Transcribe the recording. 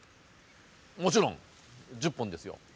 もちろん１０本ですよ。